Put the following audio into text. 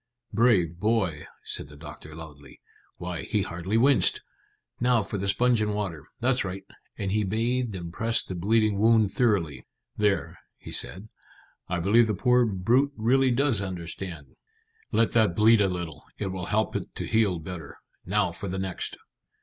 "Brave boy!" said the doctor loudly. "Why, he hardly winced. Now for the sponge and water. That's right," and he bathed and pressed the bleeding wound thoroughly. "There," he said; "I believe the poor brute really does understand. Let that bleed a little; it will help it to heal better. Now for the next."